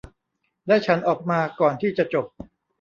และฉันออกมาก่อนที่จะจบ